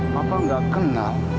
papa gak kenal